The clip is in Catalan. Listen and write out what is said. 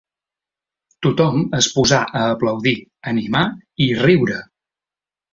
Tothom es posà a aplaudir, animar i riure.